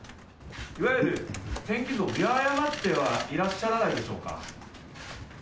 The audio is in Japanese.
いわゆる天気図を見誤ってはいらっしゃらないでしょうか。